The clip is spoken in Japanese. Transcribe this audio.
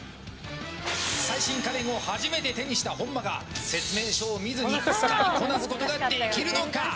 最新家電を初めて手にした本間が説明書を見ずに使いこなすことができるのか？